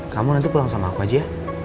kamu nanti pulang sama aku aja